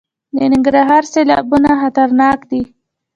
د ننګرهار سیلابونه خطرناک دي